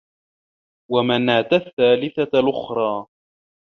وَمَناةَ الثّالِثَةَ الأُخرى